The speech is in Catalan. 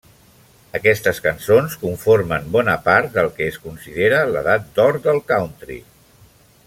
Aquestes cançons conformen bona part del que es considera l'edat d'or del country.